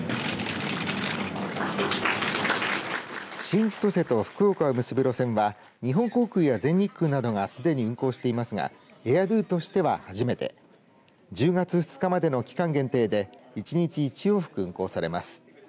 新千歳と福岡を結ぶ路線は日本航空や全日空などがすでに運航していますがエア・ドゥとしては初めて１０月２日までの期間限定で１日１往復、運航されます。